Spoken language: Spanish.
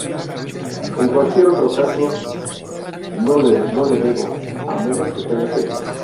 En cualquier otro caso no lo bebo, a menos que tenga sed.